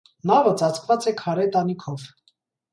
Նավը ծածկված է քարե տանիքով։